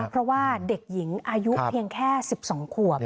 เพราะว่าเด็กหญิงอายุเพียงแค่๑๒ขวบ